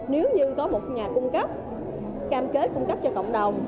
nếu như có một nhà cung cấp cam kết cung cấp cho cộng đồng